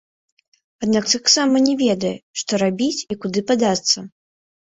Аднак таксама не ведае, што рабіць і куды падацца.